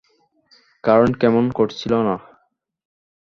Current কেমন করছিল না?